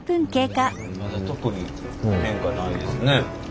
まだ特に変化ないですね。